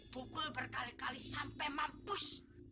pukul berkali kali sampai mapus